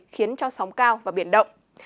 khiến cho sóng cao và biển động